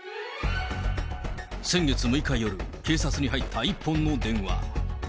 先月６日夜、警察に入った一本の電話。